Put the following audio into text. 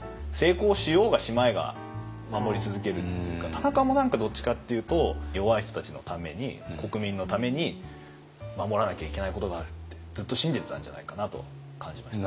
田中も何かどっちかっていうと弱い人たちのために国民のために守らなきゃいけないことがあるってずっと信じてたんじゃないかなと感じました。